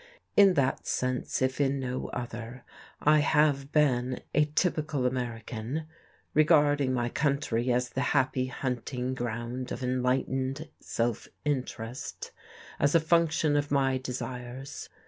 In that sense, if in no other, I have been a typical American, regarding my country as the happy hunting ground of enlightened self interest, as a function of my desires.